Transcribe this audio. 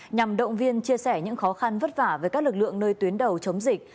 nhằm động viên chia sẻ những khó khăn vất vả với các lực lượng nơi tuyến đầu chống dịch